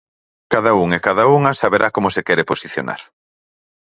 Cada un e cada unha saberá como se quere posicionar.